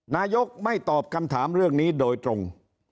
นายกไม่ตอบคำถามเรื่องนี้โดยตรง